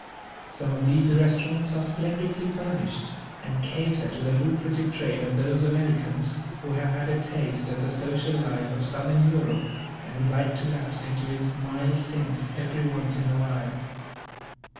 Some of these restaurants are splendidly furnished, and cater to the lucrative trade of those Americans who have had a taste of the social life of Southern Europe and who like to lapse into its mild sins every once in a while.